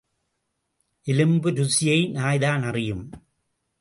எலும்பு ருசியை நாய்தான் அறியும்?